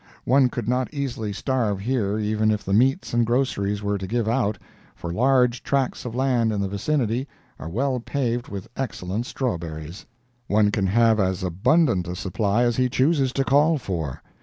One could not easily starve here even if the meats and groceries were to give out, for large tracts of land in the vicinity are well paved with excellent strawberries. One can have as abundant a supply as he chooses to call for.